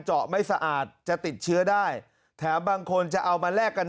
เจาะไม่สะอาดจะติดเชื้อได้แถมบางคนจะเอามาแลกกัน